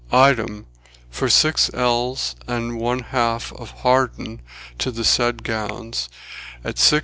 "Item, for sex elnis and ane half of harden to the saidis gownis, at vj s.